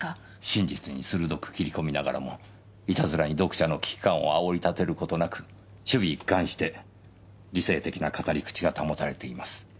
真実に鋭く切り込みながらもいたずらに読者の危機感を煽り立てる事なく首尾一貫して理性的な語り口が保たれています。